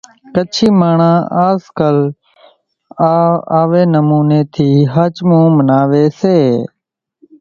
ڪڇي ماڻۿان آز ڪال آوي نموني ٿي ۿاچمان نين مناوي سي۔